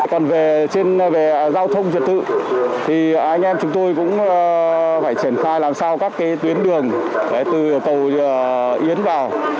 còn về giao thông trật tự thì anh em chúng tôi cũng phải triển khai làm sao các tuyến đường từ cầu yến vào